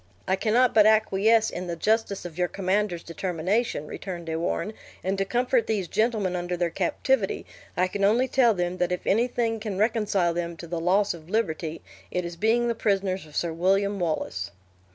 "I cannot but acquiesce in the justice of your commander's determination," returned De Warenne, "and to comfort these gentlemen under their captivity, I can only tell them that if anything can reconcile them to the loss of liberty, it is being the prisoners of Sir William Wallace."